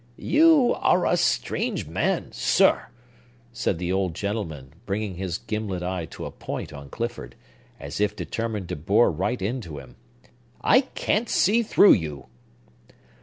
"You are a strange man; Sir!" said the old gentleman, bringing his gimlet eye to a point on Clifford, as if determined to bore right into him. "I can't see through you!"